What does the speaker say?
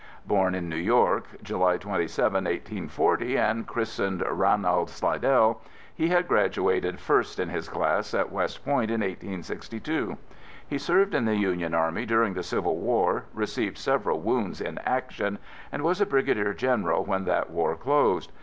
Born in New York, July 27, 1840, and christened RANALD SLIDELL, he had graduated first in his class at West Point in 1862. He served in the Union Army during the Civil War, received several wounds in action, and was a brigadier general when that war closed.